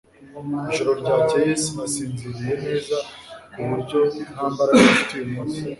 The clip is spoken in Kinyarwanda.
Ijoro ryakeye sinasinziriye neza, ku buryo nta mbaraga mfite uyu munsi.